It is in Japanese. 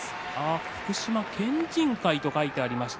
福島県人会と書いてありました。